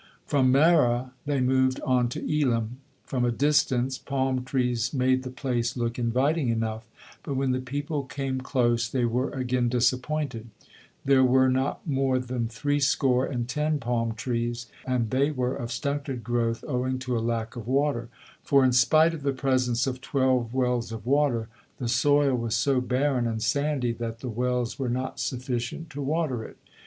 From Marah they moved on to Elim. From a distance palm trees made the place look inviting enough, but when the people came close, they were again disappointed; there were not more than three score and ten palm tress, and there were of stunted growth owing to a lack of water, for in spite of the presence of twelve wells of water, the soil was so barren and sandy that the wells were not sufficient to water it.